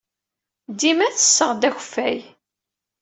Dima tessaɣ-d akeffay.